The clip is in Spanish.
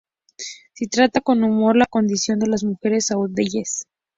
Sí trata con humor la condición de las mujeres saudíes.